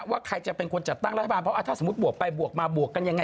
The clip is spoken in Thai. บวกมาแล้วพอกันเลยอ่ะก็เสถียรภาพไม่มีไง